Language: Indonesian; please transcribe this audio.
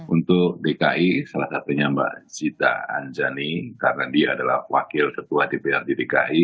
untuk dki salah satunya mbak zita anjani karena dia adalah wakil ketua dprd dki